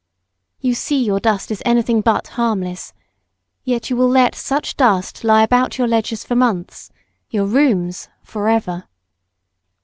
You see your dust is anything but harmless; yet you will let such dust lie about your ledges for months, your rooms for ever.